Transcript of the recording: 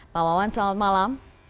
pak wawan selamat malam